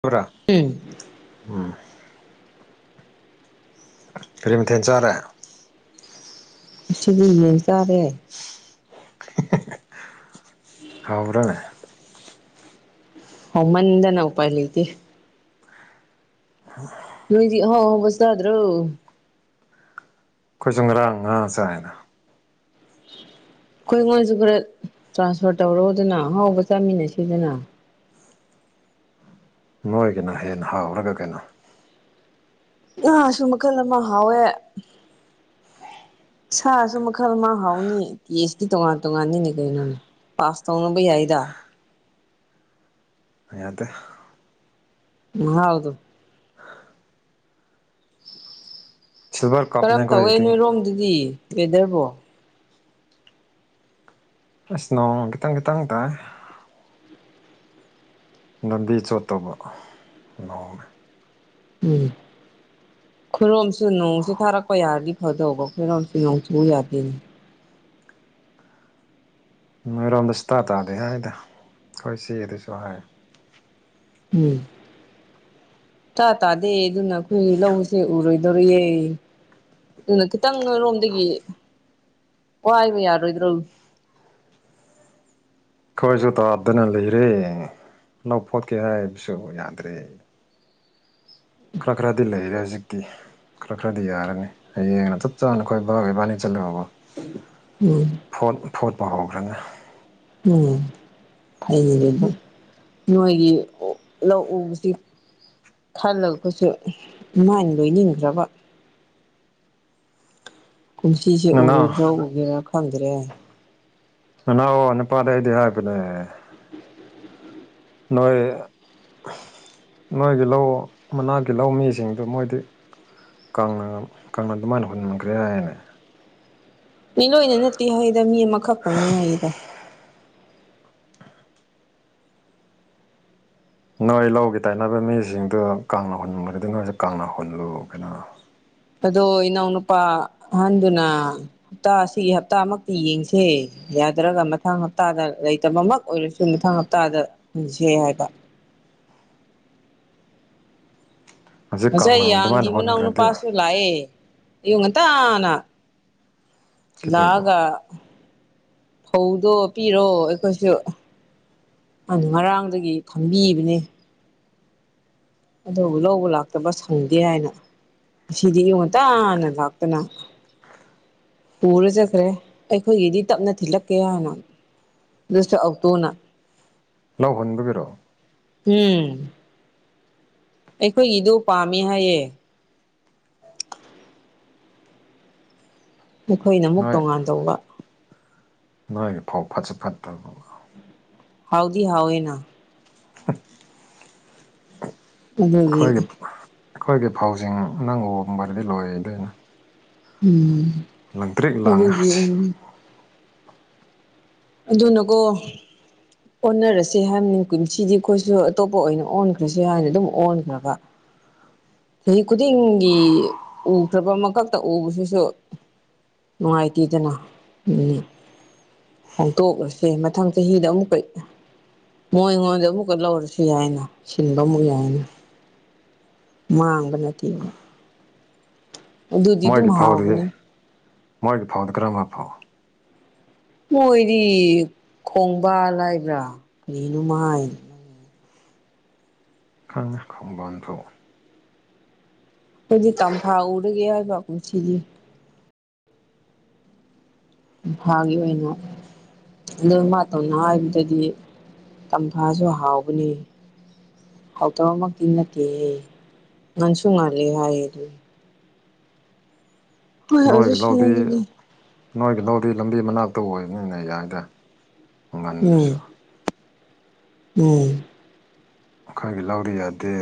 ꯄꯨꯔ ꯎꯝ ꯎꯝ ꯐꯔꯤ ꯃꯊꯦꯟ ꯆꯥꯔꯦ ꯁꯂꯤꯔ ꯇꯔꯦ ꯍꯥꯎꯕ꯭ꯔꯥꯅꯦ ꯍ ꯃꯗꯅ ꯎ ꯄꯔꯂꯤꯇꯤ ꯣꯏ ꯍꯥꯎ ꯍ ꯁꯗ꯭ꯔꯣ ꯑꯩꯈꯣꯏꯁꯨ ꯉꯔꯥꯡ ꯉꯥꯥꯁꯥꯏꯅ ꯎ ꯑꯩꯈꯣꯏꯉꯣꯟꯁꯨ ꯈꯔ ꯇ꯭ꯔꯥꯟꯁꯐꯔ ꯇꯧꯔꯣꯗꯅ ꯑꯍꯥꯎꯕ ꯆꯥꯃꯤꯟꯅꯁꯤꯗꯅ ꯃꯣꯏꯒꯤꯅ ꯍꯦꯟꯅ ꯍꯥꯎꯔꯒ ꯀꯩꯅꯣ ꯉꯥ ꯁꯨ ꯃꯈꯜ ꯑꯃ ꯍꯥꯎꯋꯦ ꯁꯥꯁꯨ ꯃꯈꯜ ꯑꯃ ꯍꯥꯎꯅꯤ ꯇꯦꯁꯇꯤ ꯇꯣꯉꯥꯟ ꯇꯣꯉꯥꯟꯅꯤꯅꯦ ꯀꯩꯅꯣꯅꯦ ꯄꯥꯁꯇꯧꯅꯕ ꯌꯥꯏꯗꯥ ꯌꯥꯗꯦ [unintelligible] ꯁꯤꯜꯚꯔ ꯀꯞꯅꯦ ꯀꯔꯝ ꯇꯧꯋꯦ ꯑꯩꯈꯣꯏꯒꯤꯗꯤ ꯅꯣꯏꯔꯣꯝꯗꯗꯤ ꯋꯦꯗꯔꯕꯣ ꯑꯁ ꯅꯣꯡ ꯈꯤꯇꯪ ꯈꯤꯇꯪ ꯇꯥꯏ ꯂꯝꯕꯤ ꯆꯣꯠꯇꯕ ꯅꯣꯡꯅꯦ ꯎꯝ ꯈꯣꯏꯔꯣꯝꯁꯨ ꯅꯣꯡꯁꯦ ꯊꯥꯔꯛꯄ ꯌꯥꯔꯗꯤ ꯐꯗꯧꯕ ꯈꯨꯔꯣꯝꯁꯨ ꯅꯣꯡ ꯆꯨ ꯌꯥꯗꯦꯅꯦ ꯆꯤꯡꯃꯩꯔꯣꯝꯗ ꯁꯨꯇꯥ ꯇꯥꯗꯦ ꯍꯥꯏꯗ ꯑꯩꯈꯣꯏ ꯁꯤꯒꯤꯗꯁꯨ ꯍꯥꯏ ꯎꯝ ꯁꯨꯛꯇꯥ ꯇꯥꯗꯦ ꯑꯗꯨꯅ ꯑꯩꯈꯣꯏ ꯂꯧꯁꯦ ꯎꯔꯣꯏꯗꯣꯔꯤꯌꯦ ꯑꯗꯨꯅ ꯈꯤꯇꯪ ꯅꯣꯏꯔꯣꯝꯗꯒꯤ ꯋꯥꯏꯕ ꯌꯥꯔꯣꯏꯗ꯭ꯔꯣ [unintelligible] ꯑꯩꯈꯣꯏꯁꯨ ꯇꯥꯗꯅ ꯂꯩꯔꯦ ꯂꯧ ꯐꯣꯠꯀꯦ ꯍꯥꯏꯕꯁꯨ ꯌꯥꯗ꯭ꯔꯦ ꯈꯔ ꯈꯔꯗꯤ ꯂꯩꯔꯦ ꯍꯧꯖꯤꯛꯇꯤ ꯈꯔ ꯈꯔꯗꯤ ꯌꯥꯔꯅꯤ ꯍꯌꯦꯡꯅ ꯆꯞ ꯆꯥꯅ ꯑꯩꯈꯣꯏ ꯕꯥꯒ ꯏꯕꯥꯅꯤ ꯆꯠꯂꯒ ꯎꯝ ꯐꯣꯠ ꯐꯣꯠꯄ ꯍꯧꯈ꯭ꯔꯅꯤ ꯎꯝ ꯑꯩ [unintelligible] ꯅꯣꯏꯒꯤ ꯂꯧ ꯎꯕꯁꯤ ꯈꯜꯂꯒꯁꯨ ꯗꯨꯃꯥꯏ ꯂꯣꯏꯅꯤꯡꯗ꯭ꯔꯕ ꯀꯨꯝꯁꯤꯁꯦ ꯅꯅꯥꯎ ꯎꯔꯣꯏꯗ꯭ꯔꯣ ꯎꯒꯦꯔꯥ ꯈꯪꯗ꯭ꯔꯦ ꯅꯅꯥꯎ ꯅꯨꯄꯥꯗ ꯑꯩꯗꯤ ꯍꯥꯏꯕꯅꯦ ꯅꯣꯏ ꯅꯣꯏꯒꯤ ꯂꯧ ꯃꯅꯥꯛꯀꯤ ꯂꯧꯃꯤꯁꯤꯡꯗꯨ ꯃꯣꯏꯗꯤ ꯀꯪꯅ ꯀꯪꯅ ꯑꯗꯨꯃꯥꯏꯅ ꯍꯨꯟꯈ꯭ꯔꯦ ꯍꯥꯏꯅꯦ ꯃꯤ ꯂꯣꯏꯅ ꯅꯠꯇꯦ ꯍꯥꯏꯗ ꯃꯤ ꯑꯃꯈꯛꯇꯪꯅꯦ ꯍꯥꯏꯗ ꯅꯣꯏ ꯂꯧꯒꯤ ꯇꯥꯏꯅꯕ ꯃꯤꯁꯤꯡꯗꯨ ꯀꯪꯅ ꯍꯨꯟꯒ꯭ꯔꯗꯤ ꯅꯣꯏꯁꯨ ꯀꯪꯅ ꯍꯨꯜꯂꯨ ꯀꯩꯅꯣ ꯑꯗꯣ ꯏꯅꯥꯎꯅꯨꯄꯥ ꯑꯍꯟꯗꯨꯅ ꯍꯞꯇꯥ ꯑꯁꯤ ꯍꯞꯇꯥꯃꯛꯇꯤ ꯌꯦꯡꯁꯦ ꯌꯥꯗ꯭ꯔꯒ ꯃꯊꯪ ꯍꯞꯇꯥꯗ ꯂꯩꯇꯕꯃꯛ ꯑꯣꯏꯔꯁꯨ ꯃꯊꯪ ꯍꯞꯇꯥꯗ ꯍꯟꯁꯦ ꯍꯥꯏꯕ [inaudible] ꯍꯧꯖꯤꯛ ꯀꯪꯅ ꯉꯁꯥꯏ ꯌꯥꯡꯒꯤ ꯑꯗꯨꯃꯥꯏꯅ ꯃꯅꯥꯎ ꯍꯨꯟꯈ꯭ꯔꯗꯤ ꯅꯨꯄꯥꯁꯨ ꯂꯥꯛꯑꯦ ꯑꯌꯨꯛ ꯉꯟꯇꯥꯅ ꯀꯩꯗꯧꯕ ꯂꯥꯛꯑꯒ ꯐꯧꯗꯣ ꯄꯤꯔꯣ ꯑꯩꯈꯣꯏꯁꯨ ꯑꯗꯨ ꯉꯔꯥꯡꯗꯒꯤ ꯈꯪꯕꯤꯕꯅꯦ ꯑꯗꯨꯕꯨ ꯂꯧꯕ ꯂꯥꯛꯇꯕ ꯁꯪꯗꯦ ꯍꯥꯏꯅ ꯉꯁꯤꯗꯤ ꯑꯌꯨꯛ ꯉꯟꯇꯥꯅ ꯂꯥꯛꯇꯅ ꯄꯨꯔ ꯆꯠꯈ꯭ꯔꯦ ꯑꯩꯈꯣꯏꯒꯤꯗꯤ ꯇꯞꯅ ꯊꯤꯜꯂꯛꯀꯦ ꯍꯥꯏꯅ ꯗꯨꯁꯨ ꯑꯧꯇꯣꯅ ꯂꯧ ꯍꯨꯟꯕꯒꯤꯔꯣ ꯎꯝ ꯑꯩꯈꯣꯏꯒꯤꯗꯨ ꯄꯥꯝꯃꯤ ꯍꯥꯏꯌꯦ ꯑꯩꯈꯣꯏꯅ ꯑꯃꯨꯛ ꯅꯣꯏ ꯇꯣꯉꯥꯟ ꯇꯧꯕ ꯅꯣꯏꯒꯤ ꯐꯧ ꯐꯠꯁꯨ ꯐꯠꯇꯕꯗꯨ ꯍꯥꯎꯗꯤ ꯍꯥꯎꯋꯦꯅ [unintelligible] ꯑꯗꯨꯒꯤ ꯑꯩꯈꯣꯏꯒꯤ ꯑꯩꯈꯣꯏꯒꯤ ꯐꯧꯁꯤꯡ ꯅꯪ ꯎ [unintelligible] ꯎꯝ ꯂꯪꯇ꯭ꯔꯤꯛ ꯂꯪꯉꯦ ꯑꯗꯨꯒꯤ ꯁꯤ ꯎꯝ ꯑꯗꯨꯅꯀꯣ ꯑꯣꯟꯅꯔꯁꯦ ꯍꯥꯏꯕꯅꯤ ꯀꯨꯝꯁꯤꯗꯤ ꯑꯩꯈꯣꯏꯁꯨ ꯑꯇꯣꯞꯄ ꯑꯣꯏꯅ ꯑꯣꯟꯈ꯭ꯔꯁꯤꯔꯥ ꯍꯥꯏꯅ ꯑꯗꯨꯝ ꯑꯣꯟꯈ꯭ꯔꯕ [unintelligible] ꯆꯍꯤ ꯈꯨꯗꯤꯡꯒꯤ ꯎꯈ꯭ꯔꯕ ꯑꯃꯈꯛꯇ ꯎꯕꯁꯤꯁꯨ ꯅꯨꯡꯉꯥꯏꯇꯦꯗꯅ ꯎꯝ ꯍꯣꯡꯇꯣꯛꯂꯁꯦ ꯃꯊꯪ ꯆꯍꯤꯗ ꯑꯃꯨꯛꯀ ꯃꯣꯏꯉꯣꯟꯗ ꯑꯃꯨꯛꯀ ꯂꯧꯔꯁꯨ ꯌꯥꯏꯅ ꯁꯤꯟꯕ ꯑꯃꯨꯛ ꯌꯥꯏꯅ ꯃꯥꯡꯕ ꯅꯠꯇꯦꯅ ꯑꯗꯨꯗꯤ ꯑꯗꯨꯝ ꯃꯣꯏꯒꯤ ꯐꯧꯗꯤ ꯍꯥꯎꯕꯅꯦ ꯃꯣꯏꯒꯤ ꯐꯥꯎꯗꯣ ꯀꯔꯝꯕ ꯐꯧ ꯃꯣꯏꯗꯤ ꯈꯣꯡꯕꯥꯜ ꯍꯥꯏꯕ꯭ꯔꯥ ꯀꯔꯤꯅꯣꯝꯃ ꯍꯥꯏꯅꯦ ꯈꯉꯦ ꯈꯣꯡꯕꯥꯟ ꯐ꯭ꯂꯣ ꯗꯨꯗꯤ ꯇꯝꯐꯥ ꯎꯗ꯭ꯔꯒꯤ ꯍꯥꯏꯕ꯭ꯔ ꯀꯨꯝꯁꯤꯗꯤ ꯇꯝꯐꯥꯒꯤ ꯀꯩꯅꯣ ꯑꯗꯨ ꯃꯥ ꯇꯧꯅ ꯍꯥꯏꯕꯗꯗꯤ ꯇꯝꯐꯥꯁꯨ ꯍꯥꯎꯕꯅꯤ ꯍꯥꯎꯇꯕꯃꯛꯇꯤ ꯅꯠꯇꯦꯍꯦ ꯅꯪꯁꯨ ꯉꯥꯜꯂꯦ ꯍꯥꯏꯌꯦ ꯑꯗꯨ ꯍꯣꯏ ꯑꯗꯨ ꯅꯣꯒꯤ ꯂꯧꯗꯤ ꯁꯅꯗꯨꯗꯤ ꯅꯣꯏꯒꯤ ꯂꯧꯗꯤ ꯂꯝꯕꯤ ꯃꯅꯥꯛꯇ ꯑꯣꯏꯕꯅꯤꯅ ꯌꯥꯏꯗ ꯎꯝ ꯃꯃꯟꯗꯨꯁꯨ ꯎꯝ ꯑꯩꯈꯣꯏꯒꯤ ꯂꯧꯗꯤ ꯌꯥꯗꯦ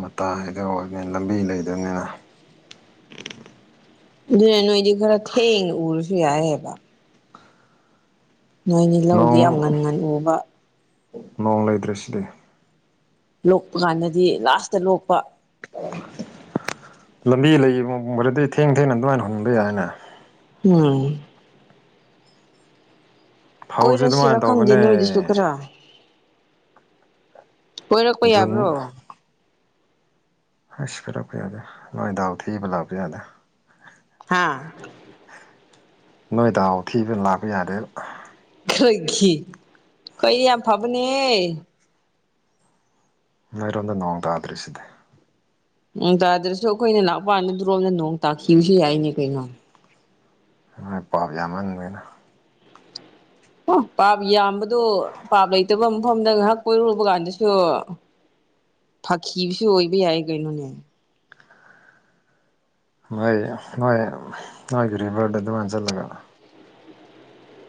ꯃꯇꯥꯏꯗ ꯑꯣꯏꯕꯅꯤꯅ ꯂꯝꯕꯤ ꯂꯩꯗꯝꯅꯤꯅ ꯑꯗꯨꯗꯤ ꯅꯣꯏꯗꯤ ꯈꯔ ꯊꯦꯡꯅ ꯎꯔꯁꯨ ꯌꯥꯏꯌꯦꯕ ꯅꯣꯏꯗꯤ ꯂꯧꯗꯤ ꯅꯣꯡ ꯌꯥꯝ ꯉꯟ ꯉꯟ ꯎꯕ ꯅꯣꯡ ꯂꯩꯇ꯭ꯔ ꯁꯤꯗꯤ ꯂꯣꯛꯄ ꯀꯥꯟꯗꯗꯤ ꯂꯥꯁꯇ ꯂꯣꯛꯄ ꯂꯝꯕꯤ ꯂꯩꯈꯤꯕ ꯃ ꯑꯣꯏꯔꯗꯤ ꯊꯦꯡ ꯊꯦꯡꯅ ꯑꯗꯨꯃꯥꯏꯅ ꯍꯨꯟꯕ ꯌꯥꯏꯅ ꯎꯝ ꯐꯧꯁꯦ ꯀꯣꯏꯔꯁꯤꯔꯥ ꯑꯗꯨꯃꯥꯏꯅ ꯈꯪꯗꯦ ꯇꯧꯕꯅꯦ ꯅꯣꯏꯗꯨꯁꯨ ꯈꯔ ꯀꯣꯏꯔꯛꯄ ꯖꯨꯟ ꯌꯥꯕ꯭ꯔꯣ ꯑꯁ ꯐꯔꯄ ꯌꯥꯗꯦ [unintelligible] ꯌꯥꯗꯦ ꯍꯥ ꯅꯣꯏ ꯗꯥꯎ ꯊꯤꯕ ꯂꯥꯛꯄ ꯌꯥꯗꯦ ꯑꯩ ꯈꯣꯢꯗꯤ ꯌꯥꯝ ꯐꯕꯅꯦꯍꯦ ꯅꯣꯏ ꯔꯣꯝꯗ ꯅꯣꯡ ꯇꯥꯗ꯭ꯔꯤꯁꯤꯗꯤ ꯅꯣꯡ ꯇꯥꯗ꯭ꯔꯁꯨ ꯑꯩꯈꯣꯏꯅꯤ ꯅꯥꯄꯥꯟꯗ ꯑꯗꯨꯔꯣꯝꯗ ꯅꯣꯡ ꯇꯥꯈꯤꯕꯁꯨ ꯌꯥꯏꯅꯦ ꯀꯩꯅꯣ ꯍꯣꯏ ꯄꯥꯞ ꯌꯥꯝꯍꯟꯒ꯭ꯔꯦꯅ ꯑꯣ ꯄꯥꯞ ꯌꯥꯝꯕꯗꯣ ꯄꯥꯞ ꯂꯩꯇꯕ ꯃꯐꯝꯗ ꯉꯥꯏꯍꯥꯛ ꯀꯣꯏꯔꯨꯕ ꯀꯥꯟꯗꯁꯨ ꯐꯥꯈꯤꯕꯁꯨ ꯑꯣꯏꯕ ꯌꯥꯏ ꯀꯩꯅꯣꯅꯦ ꯃꯣꯏ ꯅꯣꯏ ꯅꯣꯏꯒꯤ ꯔꯤꯚꯔꯗ ꯑꯗꯨꯃꯥꯟ ꯆꯠꯂꯒ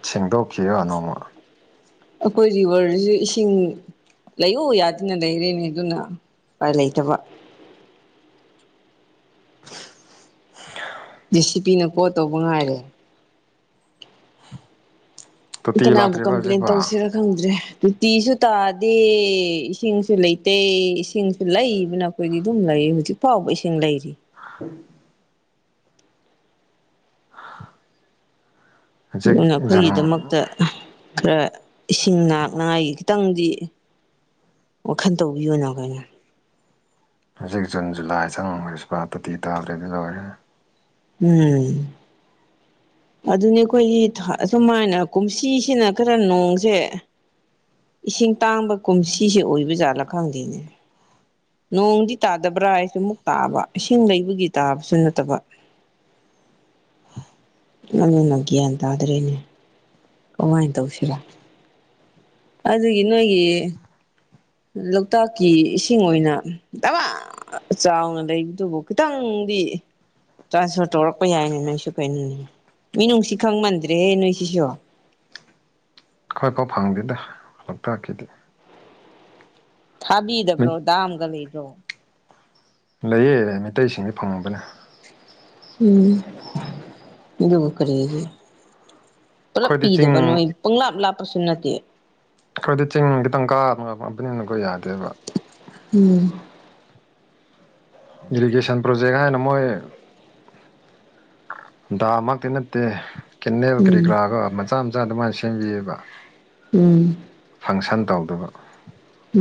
ꯁꯦꯡꯗꯣꯛꯈꯤꯕ ꯅꯣꯡꯃ ꯑꯩꯈꯣꯏ ꯚꯔꯁꯨ ꯏꯁꯤꯡ ꯂꯩꯌꯎ ꯌꯥꯗꯅ ꯂꯩꯔꯦꯅꯦ ꯑꯗꯨꯅ ꯂꯩꯇꯕ ꯗꯤ ꯁꯤ ꯄꯤꯅ ꯀꯣꯜ ꯇꯧꯕ ꯉꯥꯏꯔꯦ ꯇꯣꯇꯤ ꯀꯅꯥꯕꯨ ꯂꯥꯛꯇ꯭ꯔꯤꯕ ꯀꯝꯄ꯭ꯂꯦꯟ ꯍꯧꯖꯤꯛꯐ ꯇꯧꯁꯤꯔꯥ ꯈꯪꯗ꯭ꯔꯦ ꯇꯨꯇꯤꯁꯨ ꯇꯥꯗꯦ ꯏꯁꯤꯡꯁꯨ ꯂꯩꯇꯦ ꯏꯁꯤꯡꯁꯨ ꯂꯩꯕꯅ ꯑꯩꯈꯣꯏꯗꯤ ꯑꯗꯨꯝ ꯂꯩ ꯍꯧꯖꯤꯛ ꯐꯥꯎꯕ ꯏꯁꯤꯡ ꯂꯩꯔꯤ [unintelligible] ꯑꯗꯨ ꯍꯧꯖꯤꯛ ꯖꯨꯟ ꯑꯩꯈꯣꯏꯒꯤꯗꯃꯛꯇ ꯈꯔ ꯏꯁꯤꯡ ꯅꯥꯛꯅꯉꯥꯏꯒꯤ ꯈꯤꯇꯪꯗꯤ ꯋꯥꯈꯜ ꯇꯧꯕꯤꯌꯨꯅ ꯑꯩꯈꯣꯏꯅ ꯍꯧꯖꯤꯛ ꯖꯨꯟ ꯖꯨꯂꯥꯏ ꯆꯤꯡꯕ ꯁꯤꯐꯥꯎꯗ ꯇꯣꯇꯤ ꯇꯥꯗ꯭ꯔꯗꯤ ꯂꯣꯏꯔꯦ ꯎꯝ ꯑꯗꯨꯅꯦ ꯑꯩꯈꯣꯏꯒꯤ ꯑꯃꯥꯏꯅ ꯀꯨꯝꯁꯤꯁꯤꯅ ꯈꯔ ꯅꯣꯡꯁꯦ ꯏꯁꯤꯡ ꯇꯥꯡꯕ ꯀꯨꯝꯁꯤꯁꯦ ꯑꯣꯏꯕꯖꯥꯠꯂꯥ ꯅꯣꯡꯗꯤ ꯇꯥꯗꯕ꯭ꯔꯥ ꯍꯥꯏꯁꯨ ꯑꯃꯨꯛ ꯇꯥꯕ ꯏꯁꯤꯡ ꯂꯩꯕꯒꯤ ꯇꯥꯕꯁꯨ ꯅꯠꯇꯕ [unintelligible] [unintelligible] ꯅꯪꯅ ꯍꯦꯟꯅ ꯒ꯭ꯌꯥꯟ ꯇꯥꯗ꯭ꯔꯦꯅꯦ ꯀꯃꯥꯏꯅ ꯇꯧꯁꯤꯔ ꯑꯗꯨꯒꯤ ꯅꯣꯏꯒꯤ ꯂꯣꯛꯇꯥꯛꯀꯤ ꯏꯁꯤꯡ ꯑꯣꯏꯅ ꯗꯝꯃꯥ ꯆꯥꯎꯅ ꯂꯩꯕꯗꯨꯕꯨ ꯈꯤꯇꯪ ꯗꯤ ꯇ꯭ꯔꯥꯟꯁꯐꯔ ꯇꯧꯔꯛꯄ ꯌꯥꯏꯅꯤ ꯅꯣꯏꯁꯨ ꯀꯩꯅꯣꯅꯤ ꯃꯤ ꯅꯨꯡꯁꯤ ꯈꯪꯃꯟꯗ꯭ꯔꯦꯍꯦ ꯅꯣꯏꯁꯤꯁꯨ ꯈꯣꯏ ꯐꯥꯎ ꯐꯪꯗꯦꯗ ꯂꯣꯛꯇꯥꯛꯀꯤꯗꯤ ꯊꯥꯕꯤꯗꯕ꯭ꯔꯣ ꯗꯥꯝꯒ ꯂꯩꯕ꯭ꯔꯣ ꯂꯩꯌꯦ ꯃꯤꯇꯩꯩꯁꯤꯡꯗꯤ ꯐꯪꯉꯕꯅꯦ ꯎꯝ ꯑꯗꯨꯕꯨ ꯀꯔꯤꯒꯤ ꯄꯨꯂꯞ ꯑꯩꯈꯣꯏꯗꯤ ꯆꯤꯡ ꯄꯤꯗꯕ ꯅꯣꯏ ꯄꯪꯂꯥꯞ ꯂꯥꯞꯄꯁꯨ ꯅꯠꯇꯦ ꯑꯩꯈꯣꯏꯗꯤ ꯆꯤꯡꯒꯤꯇꯪ ꯀꯥꯕ ꯕꯅꯤꯅ ꯀꯣ ꯌꯥꯗꯦ ꯎꯝ ꯏꯔꯤꯒꯦꯁꯟ ꯄ꯭ꯔꯣꯖꯦꯛ ꯍꯥꯏꯅ ꯃꯣꯏ ꯗꯥꯝ ꯃꯛꯇꯤ ꯅꯠꯇꯦ ꯀꯦꯟꯅꯜ ꯀꯔꯤ ꯎꯝ ꯀꯔꯥꯒ ꯃꯆꯥ ꯃꯆꯥ ꯑꯗꯨꯃꯥꯏꯅ ꯁꯦꯝꯕꯤꯑꯕ ꯎꯝ ꯐꯪꯁꯟ ꯇꯧꯗꯕ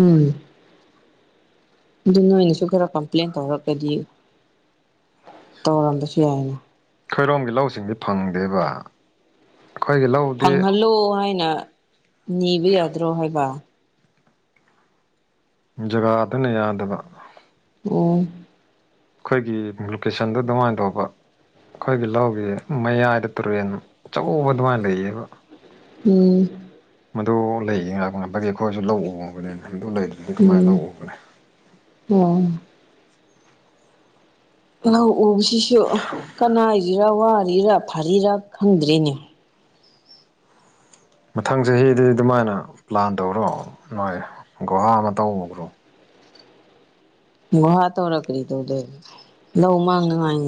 ꯍꯝ ꯑꯗꯨ ꯅꯣꯏꯅꯁꯨ ꯈꯔ ꯀꯝꯄ꯭ꯂꯦꯟ ꯇꯧꯔꯛꯂꯗꯤ ꯇꯧꯔꯝꯕꯁꯨ ꯌꯥꯏꯅ ꯈꯣꯏꯔꯣꯝꯒꯤ ꯂꯧꯁꯤꯡꯗꯤ ꯐꯪꯗꯦꯕ ꯑꯩꯈꯣꯏꯒꯤ ꯂꯧꯗꯤ ꯐꯪꯍꯜꯂꯣ ꯍꯥꯏꯅ ꯅꯤꯕ ꯌꯥꯗ꯭ꯔꯣ ꯍꯥꯏꯕ ꯖꯒꯥ ꯑꯗꯨꯅ ꯌꯥꯗꯕ ꯑꯣ ꯑꯩꯈꯣꯏꯒꯤ ꯂꯣꯀꯦꯁꯟꯗꯣ ꯑꯗꯨꯃꯥꯏꯅ ꯇꯧꯕ ꯑꯩꯈꯣꯏꯒꯤ ꯂꯧꯒꯤ ꯃꯌꯥꯏꯗ ꯇꯨꯔꯦꯟ ꯑꯆꯧꯕ ꯑꯗꯨꯃꯥꯏꯅ ꯂꯩꯌꯦꯕ ꯎꯝ ꯃꯗꯨ ꯂꯩꯒ ꯉ ꯉꯄꯒꯤ ꯑꯩꯈꯣꯏꯁꯨ ꯂꯧ ꯎ ꯉꯕꯅꯦꯅ ꯗ ꯂꯩꯗꯨ꯭ꯔꯗꯤ ꯀꯃꯥꯏꯅ ꯎꯝ ꯂꯧ ꯎꯕꯅꯦ ꯑꯣ ꯂꯧ ꯎꯕꯁꯤꯁꯨ ꯀꯅꯥꯁꯨ ꯔꯥ ꯋꯥꯔꯤꯔꯞ ꯐꯔꯤꯔꯞ ꯈꯪꯗ꯭ꯔꯦꯅꯦ ꯃꯊꯪ ꯆꯍꯤꯗꯗꯤ ꯑꯗꯨꯃꯥꯏꯅ ꯄ꯭ꯂꯥꯟ ꯇꯧꯔꯣ ꯅꯣꯏ ꯒꯨꯍꯥ ꯑꯃ ꯇꯧꯈ꯭ꯔꯣ ꯨ ꯍꯥꯇꯣ ꯔꯛꯔꯤ ꯇꯧꯗ ꯂꯧ ꯃꯒ ꯉꯏ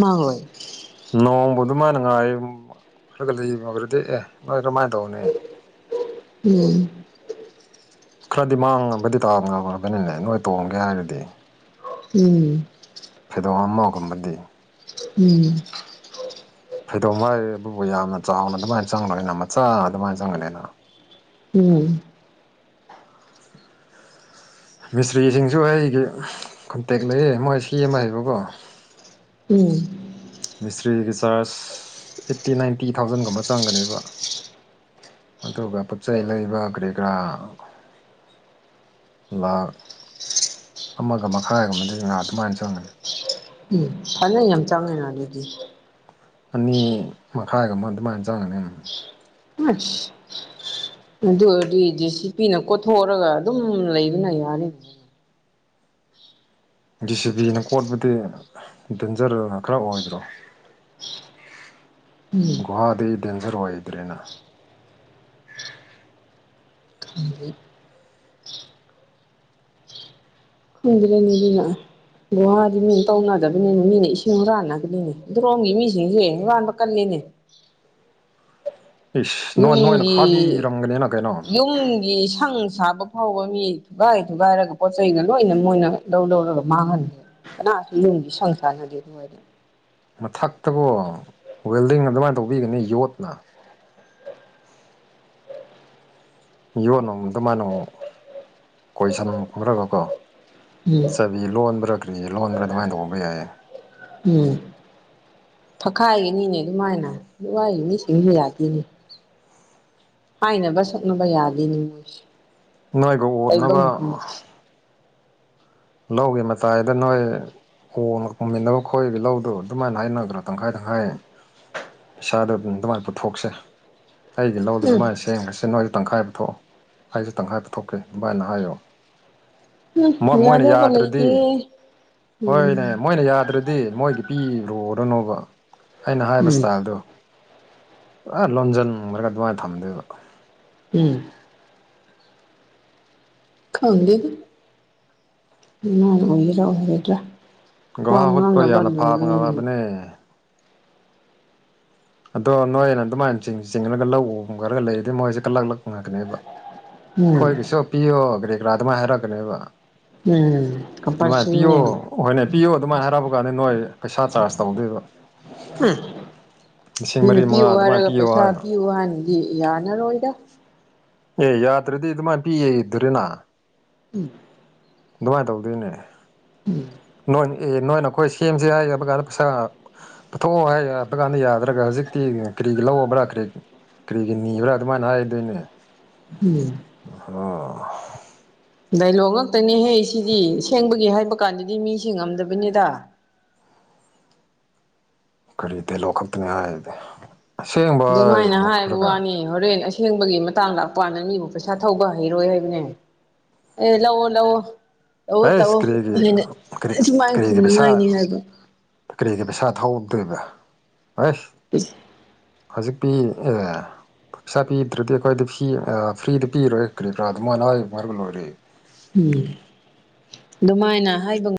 ꯃꯥ ꯍꯣꯏ ꯅꯣꯡꯃ ꯑꯗꯨꯃꯥꯏꯅ ꯉꯥꯏ ꯈꯔ ꯈ ꯂꯩꯈ꯭ꯔꯗꯤ ꯑꯦ ꯅꯣꯏ ꯀꯔꯝꯍꯥꯏꯅ ꯇꯧꯅꯤ ꯎꯝ ꯈꯔꯗꯤ ꯃꯥꯡꯉꯕꯗꯤ ꯇꯥꯉꯕꯅꯤꯅꯦ ꯅꯣꯏ ꯇꯣꯡꯒꯦ ꯍꯥꯏꯔꯗꯤ ꯎꯝ ꯐꯩꯗꯣꯡ ꯑꯃꯥꯒꯨꯝꯕꯗꯤ ꯎꯝ ꯐꯩꯗꯣꯝ ꯍꯥꯏꯔꯦ ꯑꯗꯨꯕꯨ ꯌꯥꯝꯅ ꯆꯥꯎꯅ ꯑꯗꯨꯃꯥꯏꯅ ꯆꯪꯔꯅꯤꯅ ꯃꯆꯥ ꯑꯗꯨꯃꯥꯏꯅ ꯆꯪꯒꯅꯤꯅ ꯎꯝ ꯃꯤꯁꯇ꯭ꯔꯤꯁꯤꯡꯁꯨ ꯑꯩꯒꯤ ꯀꯣꯟꯇꯦꯛ ꯂꯩꯌꯦ ꯃꯣꯏ ꯁꯤ ꯑꯃ ꯍꯥꯏꯕꯀꯣ ꯎꯝ ꯃꯤꯁꯇ꯭ꯔꯤꯒꯤ ꯆꯥꯔꯖ ꯑꯦꯠꯇꯤ ꯅꯥꯏꯟꯇꯤ ꯊꯥꯎꯖꯟꯒꯨꯝꯕ ꯆꯪꯒꯅꯦꯕ ꯑꯗꯨꯒ ꯄꯣꯠꯆꯩ ꯂꯩꯕ ꯀꯔꯤ ꯀꯔꯥ ꯂꯥ ꯑꯃꯒ ꯃꯈꯥꯏꯒ ꯃ ꯉ ꯑꯗꯨꯃꯥꯏꯅ ꯆꯪꯒꯅꯤ ꯎꯝ ꯐꯅ ꯌꯥꯝ ꯆꯪꯉꯤꯅ ꯑꯗꯨꯗꯤ ꯑꯅꯤ ꯃꯈꯥꯏꯒ ꯑꯃ ꯑꯗꯨꯃꯥꯏꯅ ꯆꯪꯒꯅꯤ ꯎ ꯑꯗꯨ ꯑꯣꯏꯔꯗꯤ ꯗꯤ ꯁꯤ ꯄꯤꯅ ꯀꯣꯊꯣꯛꯔꯒ ꯑꯗꯨꯝ ꯂꯩꯕꯅ ꯌꯥꯔꯤ ꯗꯤ ꯁꯤ ꯕꯤꯅ ꯀꯣꯠꯄꯗꯤ ꯗꯦꯟꯖꯔꯅ ꯈꯔ ꯑꯣꯏꯕ꯭ꯔꯣ ꯎꯝ ꯒꯨꯍꯥꯗ ꯗꯦꯟꯖꯔ ꯑꯣꯏꯗ꯭ꯔꯦꯅ ꯈꯨꯗꯂꯅꯤꯕꯤ ꯂ ꯒꯨꯍꯥꯗꯤ ꯃꯤꯅ ꯇꯧꯅꯗꯕꯅꯤꯅ ꯃꯤꯅ ꯏꯁꯤꯡ ꯍꯨꯔꯥꯟꯅꯒꯅꯤꯅꯦ ꯗ꯭ꯔꯣꯝꯒꯤ ꯃꯤꯁꯤꯡꯁꯦꯨꯔꯥꯟꯕ ꯀꯜꯂꯤꯅꯦ [inaudible] ꯏꯁ ꯅꯣꯏ ꯅꯣꯏꯅ ꯌꯨꯝꯒꯤ ꯈꯥꯕꯤꯔꯝꯒꯅꯤꯅ ꯀꯩꯅꯣ ꯌꯨꯝꯒꯤ ꯏꯁꯥꯡ ꯁꯥꯕ ꯍꯧꯕ ꯃꯤ ꯊꯨꯒꯥꯏ ꯊꯨꯒꯥꯏꯔꯒ ꯄꯣꯠ ꯆꯩꯒ ꯂꯣꯏꯅ ꯃꯣꯏꯅ ꯂꯧ ꯂꯧꯔꯒ ꯃꯥꯡꯍꯟꯂ ꯀꯅꯥꯁꯨ ꯌꯦꯨꯝꯁꯤ ꯁꯪꯁꯥꯟꯅꯒꯦ ꯑꯗꯨ ꯑꯣꯏꯔ ꯃꯊꯛꯇꯀꯣ ꯋꯦꯜꯗꯤꯡꯅ ꯑꯗꯨꯃꯥꯏꯅ ꯇꯧꯕꯤꯒꯅꯤ ꯌꯣꯠꯅ ꯌꯣꯟꯅꯨꯡꯣ ꯑꯗꯨꯃꯥꯏꯅꯛ ꯀꯣꯏꯁꯟꯈ꯭ꯔꯒꯀꯣ ꯎꯝ ꯆꯕꯤ ꯂꯣꯟꯕ꯭ꯔꯥ ꯀ꯭ꯔꯤ ꯂꯣꯟꯕ꯭ꯔꯥ ꯑꯗꯨꯃꯥꯏꯅ ꯇꯕ ꯌꯥꯏꯌꯦ ꯎꯝ ꯊꯛꯈꯥꯏꯒꯅꯤꯅꯦ ꯑꯗꯨꯃꯥꯏꯅ ꯋꯥꯏꯒꯅꯤ ꯁꯤꯡꯕ ꯌꯥꯗꯦꯅꯦ ꯍꯥꯏꯅꯕ ꯁꯛꯅꯕ ꯌꯥꯗꯦꯅꯤꯉꯣꯏꯁꯦ ꯅꯣꯏꯕꯨ ꯎꯅꯕ ꯑꯦꯝ ꯂꯧꯒꯤ ꯃꯇꯥꯏꯗ ꯅꯣꯏ ꯑꯣꯅ ꯈꯨꯝꯃꯤꯟꯅꯕ ꯈꯣꯠꯏꯒꯤ ꯂꯧꯗꯣ ꯑꯗꯨꯃꯥꯏꯅ ꯍꯥꯏꯅꯗ꯭ꯔꯥ ꯇꯪꯈꯥꯏ ꯇꯪꯈꯥꯏ ꯄꯩꯥꯗꯣ ꯑꯗꯨꯝ ꯑꯗꯨꯃꯥꯏꯅ ꯄꯨꯊꯣꯛꯁꯦ ꯑꯩꯒꯤ ꯂꯧꯗꯨ ꯑꯗꯨꯃꯥꯏꯅ ꯁꯦꯝꯈ꯭ꯔꯁꯦ ꯅꯣꯏꯗ ꯇꯪꯈꯥꯏꯕꯗ ꯊꯣꯛꯣꯛꯑꯣ ꯑꯩꯁꯨꯇꯪ ꯍꯥꯏꯕ ꯊꯣꯛꯀꯦ ꯚꯥꯏꯅ ꯍꯥꯏꯌꯣ ꯎꯝ ꯃꯣꯏ ꯃꯣꯏꯅ ꯌꯥꯗꯧꯕ ꯌꯥꯗ꯭ꯔꯗꯤ ꯂꯩꯇꯦ ꯎꯝ ꯍꯣꯏꯅꯦ ꯃꯣꯏꯅ ꯌꯥꯗ꯭ꯔꯗꯤ ꯃꯣꯏꯒꯤ ꯄꯤꯔꯨꯔꯔꯅꯣꯕ ꯑꯩꯅ ꯍꯥꯏꯔꯤꯕ ꯎꯝ ꯏꯁꯇꯥꯏꯜꯗꯣ ꯑ ꯂꯣꯟꯖꯟꯈ꯭ꯔꯒ ꯑꯗꯨꯃꯥꯏꯅ ꯊꯝꯗꯣꯏꯗ ꯎ ꯈꯪꯗ ꯅꯅꯔꯦꯗ ꯒꯨꯍꯥ ꯍꯨꯠꯄ ꯌꯥꯝꯅ ꯋꯥꯉꯅꯅꯤ ꯐꯕꯅꯦ ꯑꯗꯣ ꯅꯣꯏꯅ ꯑꯗꯨꯃꯥꯏꯅ ꯆꯤꯡꯉꯒ ꯂꯧ ꯎꯈ꯭ꯔꯒ ꯂꯩꯔꯗꯤ ꯃꯣꯏꯁꯦ ꯀꯂꯛꯂꯛ ꯉꯒꯅꯦꯕ ꯎꯝ ꯑꯩꯈꯣꯏꯒꯤꯁꯨ ꯄꯤꯌꯣ ꯒꯔꯤꯒꯔꯥ ꯑꯗꯨꯃꯥꯏꯅ ꯍꯥꯏꯔꯛꯀꯅꯦꯕ ꯎꯝ ꯑꯗꯨꯃꯥꯏꯅ ꯄꯤꯌꯣ ꯀꯝꯄꯜꯁꯔꯤꯅꯦꯅꯦ ꯍꯣꯏꯅꯦ ꯄꯤꯌꯣ ꯑꯗꯨꯃꯥꯏꯅ ꯍꯥꯏꯔꯄ ꯀꯥꯟꯗ ꯅꯣꯏ ꯄꯩꯁꯥ ꯆꯥꯔꯖ ꯇꯧꯗꯣꯏꯕ ꯎꯝ ꯂꯤꯁꯤꯡ ꯃꯤꯅ ꯃꯔꯤ ꯄꯤꯌꯨ ꯃꯉꯥ ꯑꯗꯨꯃꯥꯏꯅ ꯍꯥꯏꯔꯒ ꯄꯤꯌꯣ ꯄꯩꯁꯥ ꯍꯥꯏꯅ ꯄꯤꯌꯨ ꯍꯥꯏꯥꯟꯅꯗꯤ ꯌꯥꯅꯔꯣꯏꯗ ꯑꯦ ꯌꯥꯗ꯭ꯔꯗꯤ ꯑꯗꯨꯃꯥꯏꯅ ꯄꯤꯌꯦ ꯏꯗꯣꯔꯤꯅ ꯎꯝ ꯑꯗꯨꯃꯥꯏꯅ ꯇꯧꯗꯣꯏꯅꯦ ꯎꯝ ꯅꯣꯏ ꯑꯦ ꯅꯣꯏ ꯅ ꯑꯩꯈꯣꯏ ꯁꯦꯝꯁꯦ ꯍꯥꯏ ꯍꯥꯏꯕ ꯀꯥꯟꯗ ꯄꯩꯁꯥ ꯄꯨꯊꯣꯛꯑꯣ ꯍꯥꯏꯕ ꯀꯥꯟꯗ ꯌꯥꯗ꯭ꯔꯒꯖꯤꯛ ꯍꯧꯖꯤꯛꯇꯤ ꯀꯔꯤꯒꯤ ꯂꯧꯕ꯭ꯔꯥ ꯀꯔꯤ ꯀꯔꯤꯒꯤ ꯅꯤꯕ꯭ꯔꯥ ꯑꯗꯨꯃꯥꯏꯅ ꯍꯥꯏꯗꯣꯏꯅꯦ ꯎꯝ ꯑꯣ ꯗꯥꯏꯂꯣꯛ ꯉꯥꯛꯇꯅꯦꯍꯦ ꯁꯤꯗꯤ ꯁꯦꯡꯕꯒꯤꯦ ꯍꯥꯏꯕ ꯀꯥꯟꯗꯗꯤ ꯃꯤꯁꯤꯡꯉꯝꯗꯕꯅꯤꯗ [unintelligible] ꯀꯔꯤꯗ ꯂꯣꯀꯛꯇꯅꯦꯗꯤ ꯑꯗꯨꯃꯥꯏꯅ ꯍꯥꯏꯕ ꯋꯥꯅꯤ ꯍꯣꯔꯦꯟ ꯑ ꯊꯦꯡꯕꯒꯤ ꯃꯇꯥꯡ ꯂꯥꯛꯄꯥꯟꯗ ꯃꯤꯕꯨ ꯄꯩꯁꯥ ꯊꯧꯕ ꯍꯩꯔꯣꯏ ꯍꯥꯏꯕꯅꯦ ꯑꯦ ꯂꯎꯋꯣ ꯂꯎꯋꯣ ꯇꯧꯑꯣ ꯍꯩꯁ ꯇꯧꯑꯣ ꯀꯔꯤꯒꯤ ꯍꯅ ꯀꯔꯤ ꯁꯨꯃꯥꯏꯅ ꯀꯔꯤꯒꯤ ꯄꯩꯁꯥ ꯈꯨꯝꯅꯉꯥꯏꯅꯤ ꯍꯥꯏꯕ ꯀꯔꯤꯒꯤ ꯄꯩꯁꯥ ꯊꯥꯎꯗꯔ꯭ꯤꯕꯥ ꯑꯁ ꯏꯁ ꯍꯧꯖꯤꯛꯇꯤ ꯄꯩꯁꯥ ꯄꯤꯗ꯭ꯔꯗꯤ ꯑꯩꯈꯣꯏꯗ ꯐꯤ ꯐ꯭ꯔꯤꯗ ꯄꯤꯔꯣꯏ ꯀ꯭ꯔꯤꯀꯔꯥ ꯑꯗꯨꯃꯥꯏꯅ ꯂꯣꯏꯔꯦ ꯎꯝ ꯑꯗꯨꯃꯥꯏꯅ ꯍꯥꯏꯕ